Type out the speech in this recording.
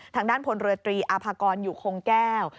ทางด้านพรตรีอภอยู่คงแก้ว